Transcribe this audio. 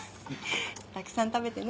たくさん食べてね。